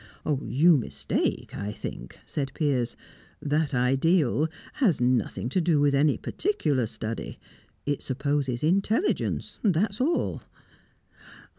"You mistake, I think," said Piers. "That ideal has nothing to do with any particular study. It supposes intelligence, that's all."